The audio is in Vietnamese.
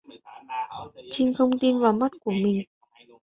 Trinh không tin vào mắt của mình